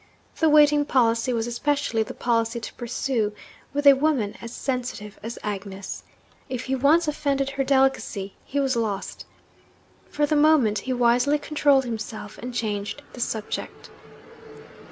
The waiting policy was especially the policy to pursue with a woman as sensitive as Agnes. If he once offended her delicacy he was lost. For the moment he wisely controlled himself and changed the subject.